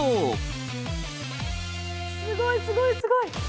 すごい、すごい、すごい。